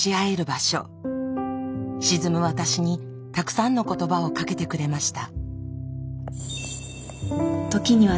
沈む私にたくさんの言葉をかけてくれました。